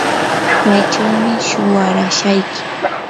kaychawmi shuwarashayki.